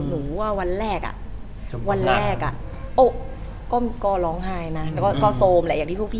นู่ว่าวันแรกอะก็ร้องไห้นะก็โซมแต่พอมันไปแล้วฉกดี